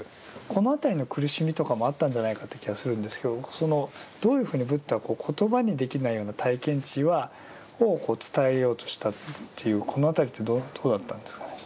この辺りの苦しみとかもあったんじゃないかって気がするんですけどどういうふうにブッダは言葉にできないような体験知を伝えようとしたというこの辺りってどうだったんですかね。